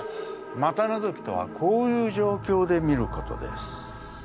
股のぞきとはこういう状況で見ることです。